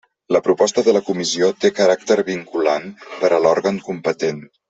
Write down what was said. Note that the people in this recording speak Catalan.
La proposta de la comissió té caràcter vinculant per a l'òrgan competent.